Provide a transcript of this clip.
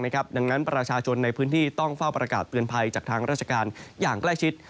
ดังนั้นประชาชนในพื้นที่ต้องเฝ้าประกาศเตือนภัยจากทางราชการอย่างใกล้ชิด